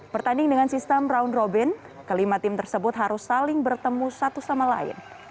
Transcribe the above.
bertanding dengan sistem round robin kelima tim tersebut harus saling bertemu satu sama lain